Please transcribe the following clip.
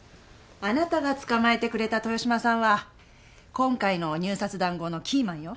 あなたが捕まえてくれた豊島さんは今回の入札談合のキーマンよ。